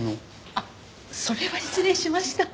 あっそれは失礼しました。